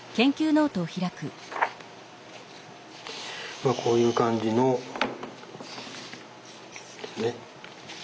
まあこういう感じのですね。